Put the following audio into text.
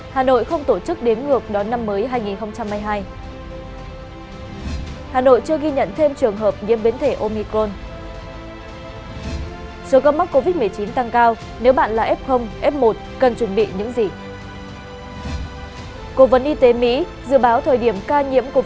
hãy đăng ký kênh để ủng hộ kênh của chúng mình nhé